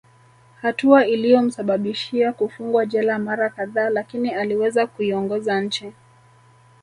Hatua iliyomsababishia kufungwa jela mara kadhaa lakini aliweza kuiongoza nchi